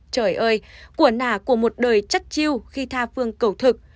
trời ơi của nà của một đời chất chiêu khi tha phương cầu thực